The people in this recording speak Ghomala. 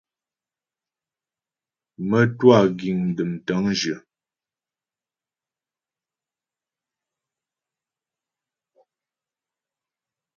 Mə́twâ giŋ dəm tə̂ŋjyə.